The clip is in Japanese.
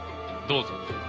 どうぞ。